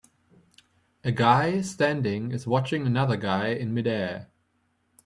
A guy standing is watching another guy in midair.